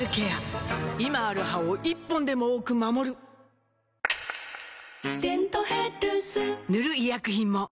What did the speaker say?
今ある歯を１本でも多く守る「デントヘルス」塗る医薬品も